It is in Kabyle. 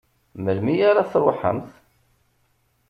Melmi ara tṛuḥemt?